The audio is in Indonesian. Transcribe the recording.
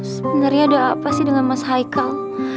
sebenarnya ada apa sih dengan mas haikal